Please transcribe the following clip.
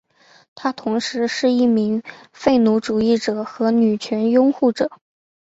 他同时是一名废奴主义者和女权拥护者。